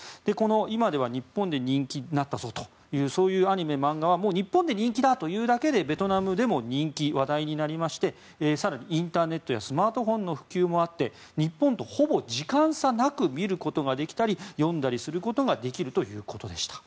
今では日本で人気になったぞというそういうアニメ・漫画はもう日本で人気だというだけでベトナムでも人気話題になりまして更にインターネットやスマートフォンの普及もあって日本とほぼ時間差なく見ることができたり読んだりすることができるということでした。